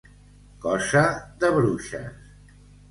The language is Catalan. Cosa de bruixes.